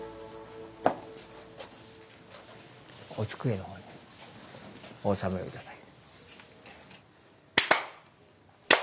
お机のほうへお納めを頂いて。